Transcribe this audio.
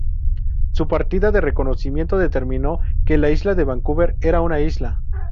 Su partida de reconocimiento determinó que la isla de Vancouver era una isla.